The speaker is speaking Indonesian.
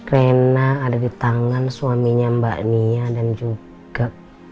rena ada di tangan suaminya mbak nia dan juga